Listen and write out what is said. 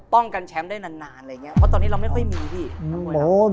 ป้องกันแชมป์ได้นนานล่าอย่างเงี้ยเพราะตอนนี้เราไม่ค่อยมีพี่